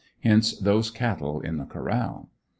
Hence those cattle in the corral.